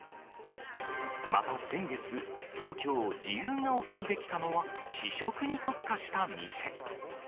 また先月、東京・自由が丘に出来たのは、試食に特化した店。